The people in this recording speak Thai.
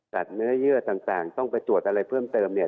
เนื้อเยื่อต่างต้องไปตรวจอะไรเพิ่มเติมเนี่ย